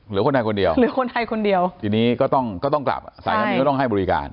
เหลือคนไทยคนเดียวทีนี้ก็ต้องกลับใส่ทางนี้ก็ต้องให้บริการ